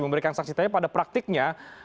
memberikan sanksi tapi pada praktiknya